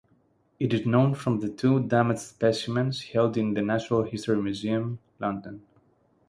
It is known from two damaged specimens held in the Natural History Museum, London.